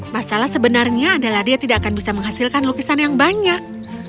masalah sebenarnya adalah dia tidak akan bisa menghasilkan lukisan yang banyak